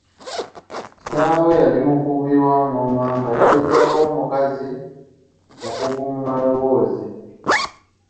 Kitaawe yali mukubi wa ng'oma nga jjaajaawe omukazi mukugu mu maloboozi